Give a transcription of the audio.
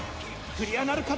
クリアなるか？